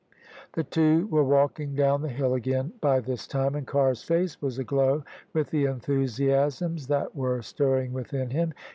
The two were walking dovm the hill again by this time, and Carr's face was aglow with, the enthusiasms that were stirring within him.